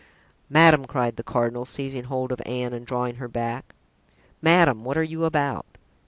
"Madame," cried the cardinal, seizing hold of Anne and drawing her back, "Madame, what are you about?"